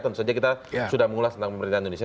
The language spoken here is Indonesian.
tentu saja kita sudah mengulas tentang pemerintahan indonesia